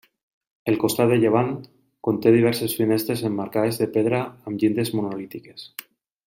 El costat de llevant conté diverses finestres emmarcades de pedra amb llindes monolítiques.